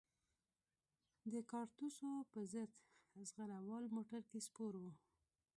د کارتوسو په ضد زغره وال موټر کې سپور وو.